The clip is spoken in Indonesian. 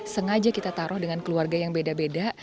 sengaja kita taruh dengan keluarga yang beda beda